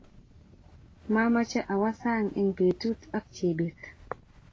mamche awo sang eng petut ak jebet